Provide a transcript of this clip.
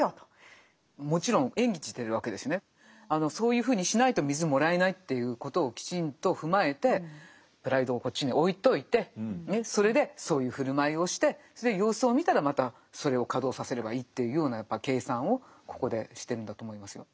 そういうふうにしないと水もらえないっていうことをきちんと踏まえてプライドをこっちに置いといてそれでそういう振る舞いをして様子を見たらまたそれを稼働させればいいっていうようなやっぱり計算をここでしてるんだと思いますよ。